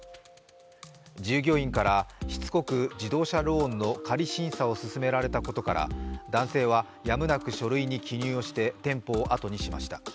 従業員からしつこく自動車ローンの仮審査を進められたことから男性はやむなく書類に記入をして店舗をあとにしました。